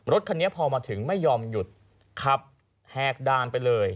รถคันนี้พอมาถึงไม่ยอมหยุดขับแหกด่านไปเลย